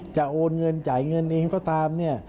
จะโอนเงินจ่ายเงินเองก็ตาม